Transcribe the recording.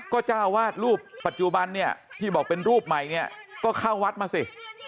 ก็เจ้าวาดรูปปัจจุบันเนี่ยที่บอกเป็นรูปใหม่เนี่ยก็เข้าวัดมาสิ